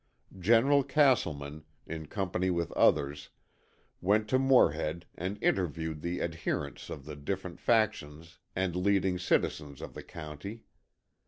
General Castleman, in company with others, went to Morehead and interviewed the adherents of the different factions and leading citizens of the county.